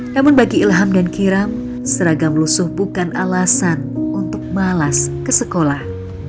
namun bagi ilham dan kiram seragam lusuh bukan alasan untuk malas ke sekolah